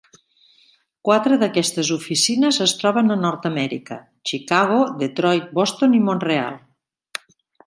Quatres d'aquestes oficines es troben a Nord-Amèrica: Chicago, Detroit, Boston i Mont-real.